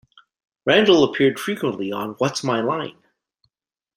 Randall appeared frequently on What's My Line?